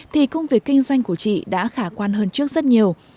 thì công việc kinh doanh của chị đã khả quan hơn trước rất nhiều